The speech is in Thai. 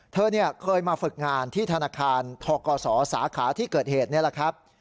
เธอเคยมาฝึกงานที่ธนาคารทกศสาขาที่เกิดเหตุนี่แหละครับ